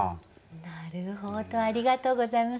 なるほどありがとうございます。